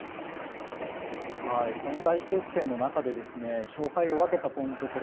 この大接戦の中で勝敗を分けたポイント